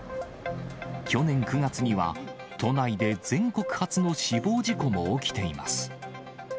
去年９月には、都内で全国初の死亡事故も起きています。